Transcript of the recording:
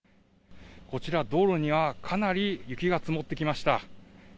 こちら、道路にはかなり雪が積もってきました。